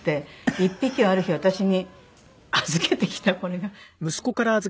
１匹はある日私に預けてきたこれが猫。